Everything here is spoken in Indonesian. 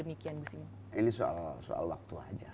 ini soal waktu saja